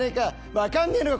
わかんねえのか？